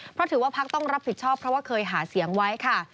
คือว่าพรรคต้องรับผิดชอบเพราะว่าเคยหาเซียงไว้ค่ะ